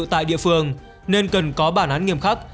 tại địa phương nên cần có bản án nghiêm khắc